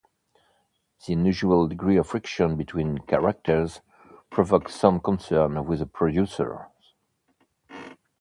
The unusual degree of friction between characters provoked some concern with the producers.